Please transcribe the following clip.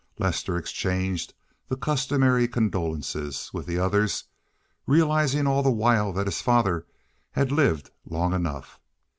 Lester exchanged the customary condolences with the others, realizing all the while that his father had lived long enough.